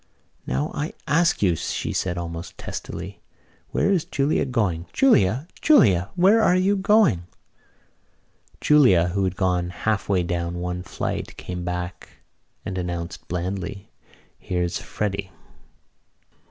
"Now, I ask you," she said almost testily, "where is Julia going? Julia! Julia! Where are you going?" Julia, who had gone half way down one flight, came back and announced blandly: "Here's Freddy."